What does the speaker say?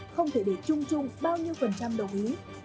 không thể để chung chung bao nhiêu phần trăm đồng ý